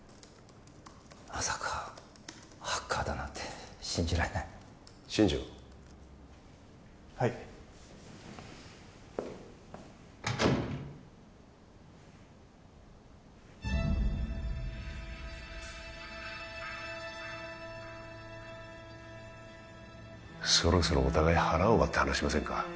まさかハッカーだなんて信じられない新庄はいそろそろお互い腹を割って話しませんか